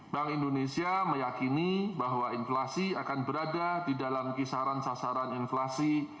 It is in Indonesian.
bank indonesia meyakini bahwa inflasi akan berada di dalam kisaran sasaran inflasi